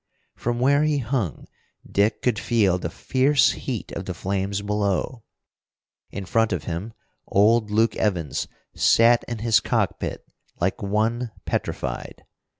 From where he hung, Dick could feel the fierce heat of the flames below. In front of him, old Luke Evans sat in his cockpit like one petrified.